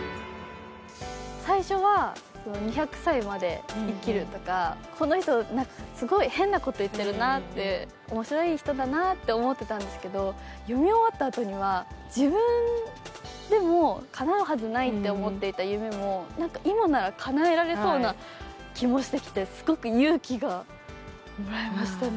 最初は２００歳まで生きるとか、この人、すごい変なこと言ってな、面白い人だなと思ってたんですが読み終わったあとには自分でもかなうはずないって思っていた夢も今なら、かなえられそうな気がしてすごく勇気がもらえましたね。